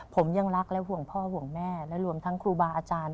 ผมยังรักและห่วงพ่อห่วงแม่และรวมทั้งครูบาอาจารย์